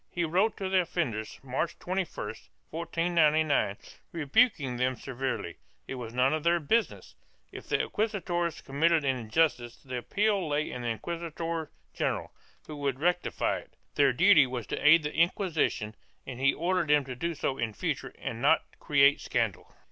He wrote to the offenders, March 21, 1499, rebuking them severely; it was none of their business; if the inquisitors committed an injustice the appeal lay to the inquisitor general, who would rectify it; their duty was to aid the Inquisition and he ordered them to do so in future and not to create scandal.